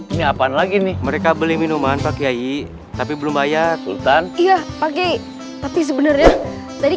ini apaan lagi nih mereka beli minuman pak kiai tapi belum ayat sultan iya pakai tapi sebenarnya tadi